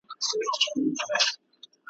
ماته مي پیاله کړه میخانې را پسي مه ګوره .